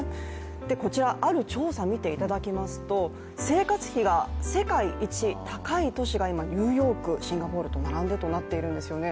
こちら、ある調査見ていただきますと生活費が世界一高い都市が今ニューヨーク、シンガポールと並んでということになっているんですね。